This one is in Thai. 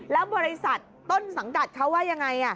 แล้วบริษัทต้นสังกัดเขาว่ายังไง